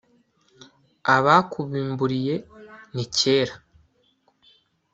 abakubimburiye ni kera